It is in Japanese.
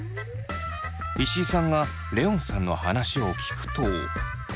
石井さんがレオンさんの話を聞くと。